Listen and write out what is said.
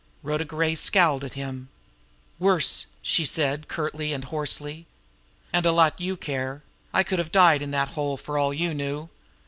Rhoda Gray scowled at him. "Worse!" she said curtly and hoarsely. "And a lot you care! I could have died in that hole, for all you knew!"